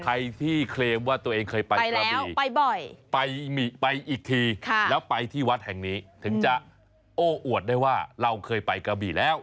ใครที่เคลมว่าตัวเองเคยไปกระบี่ไปอีกทีแล้วไปที่วัดแห่งนี้ถึงจะโอ้อวดได้ว่าเราเคยไปกระบี่แล้ว